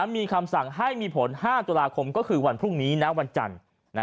มีคำสั่งให้มีผล๕ตุลาคมก็คือวันพรุ่งนี้วันจันทร์